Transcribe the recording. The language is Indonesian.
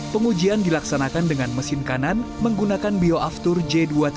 pengujian dilaksanakan dengan mesin kanan menggunakan bioaftur j dua empat